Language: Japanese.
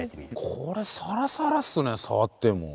これサラサラですね触っても。